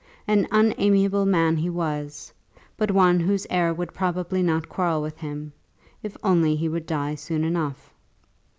An unamiable man he was, but one whose heir would probably not quarrel with him, if only he would die soon enough.